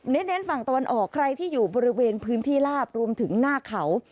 เน้นฝั่งตะวันออกใครที่อยู่บริเวณพื้นที่ลาบรวมถึงหน้าเขา